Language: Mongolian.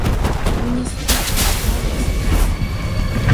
Түүний сэтгэл санаа сайн байсан уу?